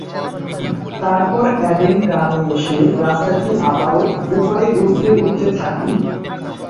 তারপর অ্যাডেন গ্রামে এসে রাস্তাটি আবারো উপরে উঠতে উঠতে থাকে।